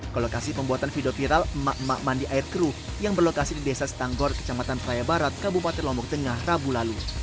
ke lokasi pembuatan video viral emak emak mandi air kru yang berlokasi di desa setanggor kecamatan praia barat kabupaten lombok tengah rabu lalu